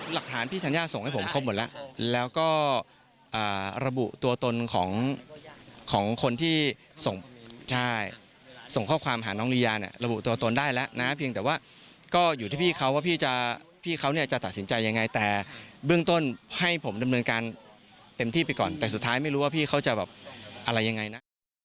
หลักฐานพี่ธัญญาส่งให้ผมครบหมดแล้วแล้วก็ระบุตัวตนของคนที่ส่งข้อความหาน้องลียาเนี่ยระบุตัวตนได้แล้วนะเพียงแต่ว่าก็อยู่ที่พี่เขาว่าพี่จะพี่เขาเนี่ยจะตัดสินใจยังไงแต่เบื้องต้นให้ผมดำเนินการเต็มที่ไปก่อนแต่สุดท้ายไม่รู้ว่าพี่เขาจะแบบอะไรยังไงนะ